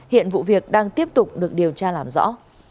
hiện vụ việc đang tiếp tục được điều tra làm rõ